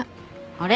あれ？